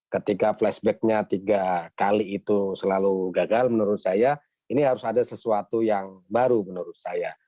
ketika flashbacknya tiga kali itu selalu gagal menurut saya ini harus ada sesuatu yang baru menurut saya